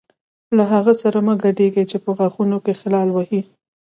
له هغو سره مه ګډېږئ چې په غاښونو کې خلال وهي.